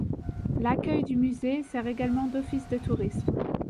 L’accueil du musée sert également d'office de tourisme.